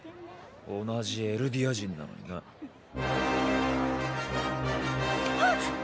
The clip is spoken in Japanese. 同じエルディア人なのにな。わっ！！